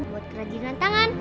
buat kerajinan tangan